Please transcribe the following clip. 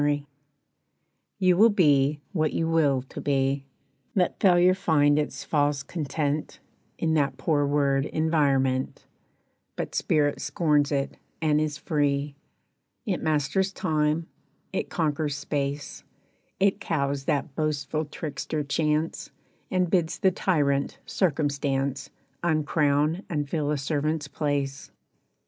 =Will= You will be what you will to be; Let failure find its false content In that poor word "environment," But spirit scorns it, and is free, It masters time, it conquers space, It cows that boastful trickster Chance, And bids the tyrant Circumstance Uncrown and fill a servant's place.